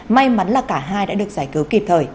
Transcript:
may mắn là cả hai đã được giải cứu kịp thời